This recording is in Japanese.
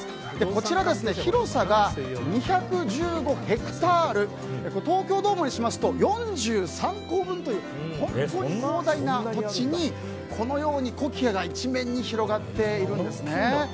こちら、広さが２１５ヘクタール東京ドームにしますと４３個分という本当に広大な土地にこのようにコキアが一面に広がっているんですね。